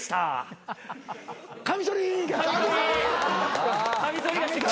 カミソリ！